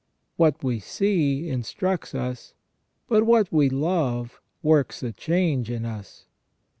What we see instructs us, but what we love works a change in us.